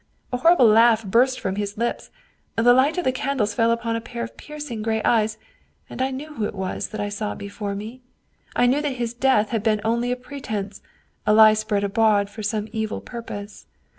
A hor rible laugh burst from his lips, the light of the candles fell upon a pair of piercing gray eyes, and I knew who it was that I saw before me. I knew that his death had been only a pretense, a lie spread abroad for some evil purpose.